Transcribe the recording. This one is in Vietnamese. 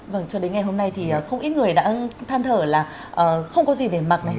vâng cho đến ngày hôm nay thì không ít người đã than thở là không có gì để mặc